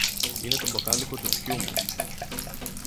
είναι το μπακάλικο του θειού μου